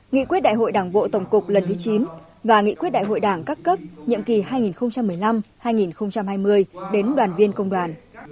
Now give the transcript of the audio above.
nghị quyết đại hội đảng bộ tổng cục lần thứ chín và nghị quyết đại hội đảng các cấp nhiệm kỳ hai nghìn một mươi năm hai nghìn hai mươi đến đoàn viên công đoàn